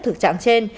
thực trạng trên